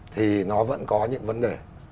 thì nó vẫn có những vấn đề